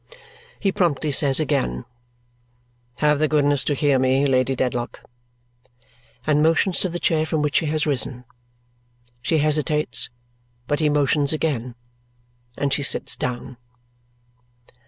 He promptly says again, "Have the goodness to hear me, Lady Dedlock," and motions to the chair from which she has risen. She hesitates, but he motions again, and she sits down.